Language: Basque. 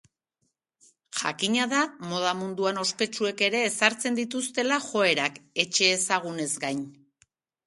Jakina da moda munduan ospetsuek ere ezartzen dituztela joerak, etxe ezagunez gain.